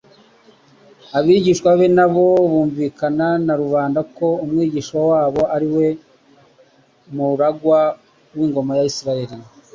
Abigishwa be na bo bumvikana na rubanda ko Umwigisha wabo ari we muragwa w'ingoma ya Isiraheli.